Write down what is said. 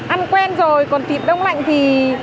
ăn quen rồi còn thịt đông lạnh thì